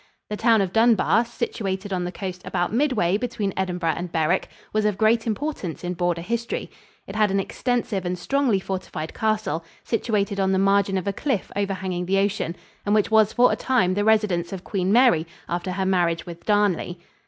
The town of Dunbar, situated on the coast about midway between Edinburgh and Berwick, was of great importance in border history. It had an extensive and strongly fortified castle, situated on the margin of a cliff overhanging the ocean, and which was for a time the residence of Queen Mary after her marriage with Darnley.